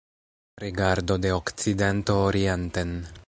Rigardo de okcidento orienten.